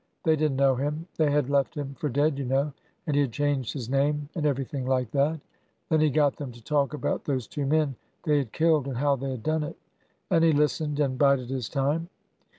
They did n't know him. They had left him for dead, you know ; and he had changed his name and everything like that. 272 ORDER NO. 11 Then he got them to talk about those two men they had killed and how they had done it. And he listened, and bided his time.